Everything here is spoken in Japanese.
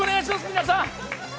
皆さん！